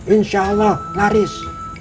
insya allah laris